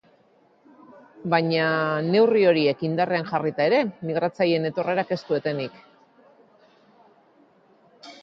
Baina, neurri horiek indarrean jarrita ere, migratzaileen etorrerak ez du etenik.